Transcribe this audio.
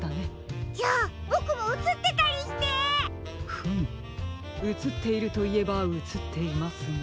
フムうつっているといえばうつっていますが。